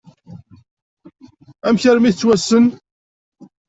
Amek armi tettwassen?